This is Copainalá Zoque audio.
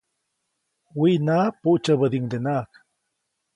Wiʼnaʼa, puʼtsyäbädiʼuŋdenaʼajk.